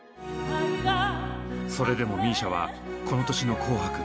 それでもＭＩＳＩＡはこの年の「紅白」。